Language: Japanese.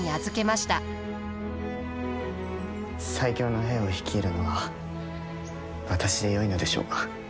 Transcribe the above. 最強の兵を率いるのが私でよいのでしょうか。